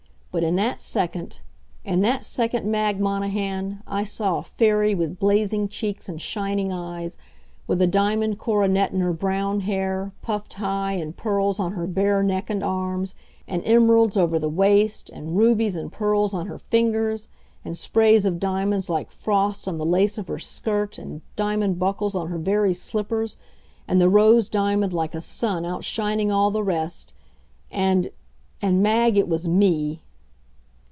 But in that second in that second, Mag Monahan, I saw a fairy with blazing cheeks and shining eyes, with a diamond coronet in her brown hair, puffed high, and pearls on her bare neck and arms, and emeralds over the waist, and rubies and pearls on her fingers, and sprays of diamonds like frost on the lace of her skirt, and diamond buckles on her very slippers, and the rose diamond, like a sun, outshining all the rest; and and, Mag, it was me!